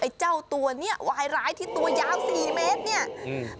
เจ้าตัวเนี้ยวายร้ายที่ตัวยาวสี่เมตรเนี้ยอืม